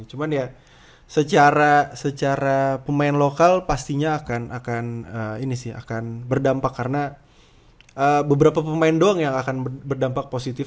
cuman ya secara pemain lokal pastinya akan ini sih akan berdampak karena beberapa pemain doang yang akan berdampak positif